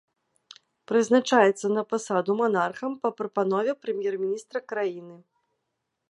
Прызначаецца на пасаду манархам па прапанове прэм'ер-міністра краіны.